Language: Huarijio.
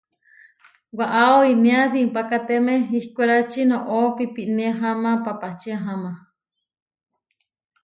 Waʼá oinéa simpákateme ihkwérači, noʼó piípine aháma papáči aháma.